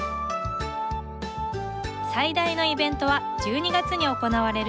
最大のイベントは１２月に行われる収穫祭。